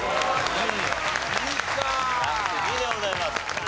ランク２でございます。